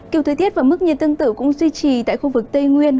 kiểu thời tiết và mức nhiệt tương tự cũng duy trì tại khu vực tây nguyên